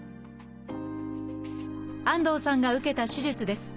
安藤さんが受けた手術です。